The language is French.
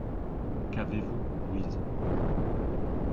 Qu’avez-vous, Louise ?